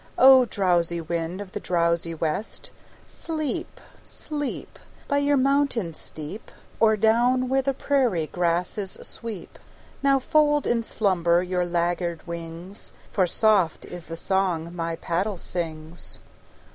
O! drowsy wind of the drowsy west, Sleep, sleep, By your mountain steep, Or down where the prairie grasses sweep! Now fold in slumber your laggard wings, For soft is the song my paddle sings.